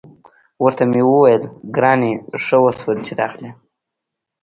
ورته مې وویل: ګرانې، ښه وشول چې راغلې.